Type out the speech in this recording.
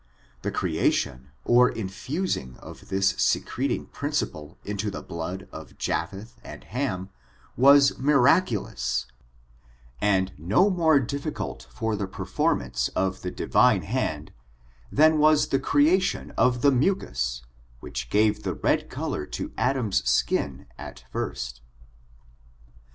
The creation, or infusing of this secreting principle into the blood of Jaj^eth and Ham was miraaiUms^ and no more difficult for the performance of tho Di Tine hand than was the creation of the mnais^ which gave the red color to Adam's skin at first.